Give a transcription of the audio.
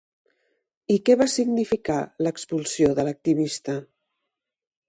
I què va significar l'expulsió de l'activista?